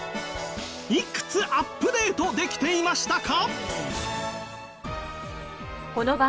いくつアップデートできていましたか？